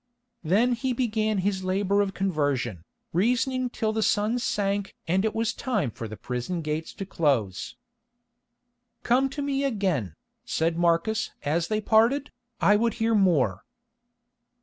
Then he began his labour of conversion, reasoning till the sun sank and it was time for the prison gates to close. "Come to me again," said Marcus as they parted, "I would hear more."